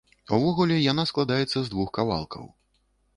Увогуле, яна складаецца з двух кавалкаў.